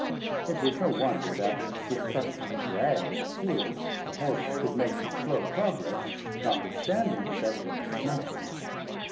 It was no wonder that, with such a drag at his heels, the horse could make but slow progress, notwithstanding his evident dismay.